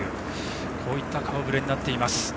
こういった顔ぶれになっています。